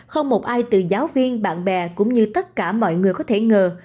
không một ai từ giáo viên bạn bè cũng như tất cả mọi người có thể ngờ